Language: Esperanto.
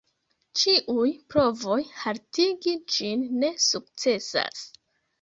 Ĉiuj provoj haltigi ĝin ne sukcesas.